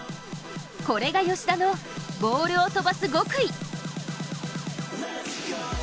これが吉田のボールを飛ばす極意。